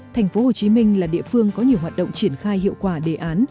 thành phố hồ chí minh là địa phương có nhiều hoạt động triển khai hiệu quả đề án